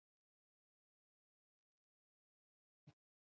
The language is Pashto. د دښته رڼا هم د دوی په زړونو کې ځلېده.